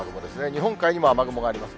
日本海にも雨雲があります。